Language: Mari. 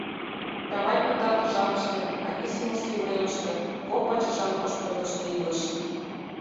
Чавайн пытартыш жапыште Анисимовский уремыште, кок пачашан ош пӧртыштӧ, илыш.